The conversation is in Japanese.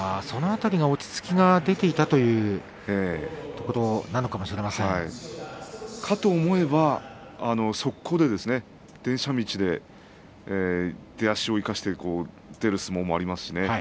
その辺りが落ち着きが出ていたというそうかと思えば速攻で電車道で出足を生かして出る相撲もありますしね。